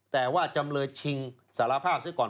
แต่ว่าจำเลยชิงสารภาพซะก่อน